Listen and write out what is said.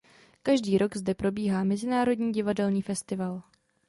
Každý rok zde probíhá mezinárodní divadelní festival.